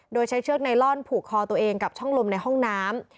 โดยใช้เชือกไนลอนผูกคอตัวเองกับช่องลมในห้องน้ำ